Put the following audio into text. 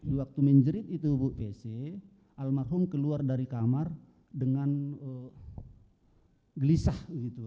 di waktu menjerit itu bu pc almarhum keluar dari kamar dengan gelisah gitu